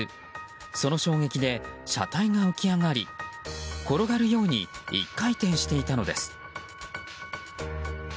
その衝撃で車体が浮き上がり転がるように１回転していたのです。